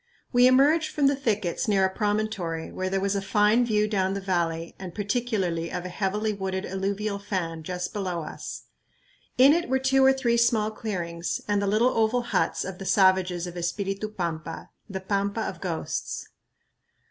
We emerged from the thickets near a promontory where there was a fine view down the valley and particularly of a heavily wooded alluvial fan just below us. In it were two or three small clearings and the little oval huts of the savages of Espiritu Pampa, the "Pampa of Ghosts."